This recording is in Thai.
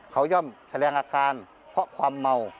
เขาย่อมแสดงอาการเพราะความเมา